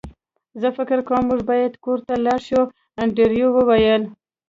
زه فکر کوم موږ باید کور ته لاړ شو انډریو وویل